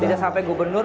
tidak sampai gubernur